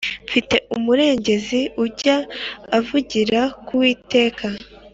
fite umurengezi ujya avugira ku uwiteka